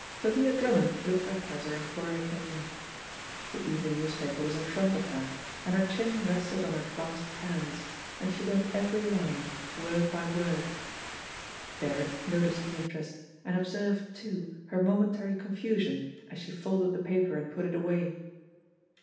Thalia Drummond looked up as her employer came in. The evening newspaper was in front of her, and her chin rested on her clasped hands, and she read every line, word by word. Derrick noticed the interest, and observed, too, her momentary confusion as she folded the paper and put it away.